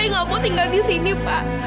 saya nggak mau tinggal di sini pak